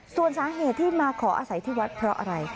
ส่วนสาเหตุที่มาขออาศัยที่วัดเพราะอะไร